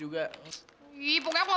kau mau ngapain